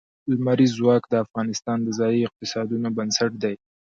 لمریز ځواک د افغانستان د ځایي اقتصادونو بنسټ دی.